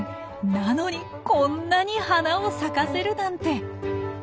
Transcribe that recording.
なのにこんなに花を咲かせるなんて。